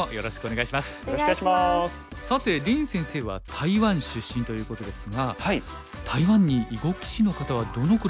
さて林先生は台湾出身ということですが台湾に囲碁棋士の方はどのくらいいるんでしょうか？